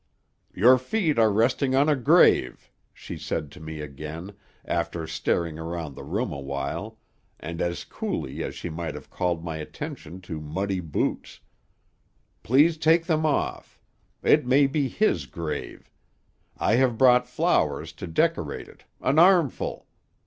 "'Your feet are resting on a grave,' she said to me again, after staring around the room awhile, and as coolly as she might have called my attention to muddy boots. 'Please take them off. It may be his grave. I have brought flowers to decorate it; an armful.